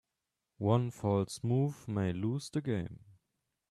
One false move may lose the game.